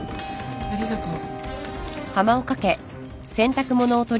ありがとう。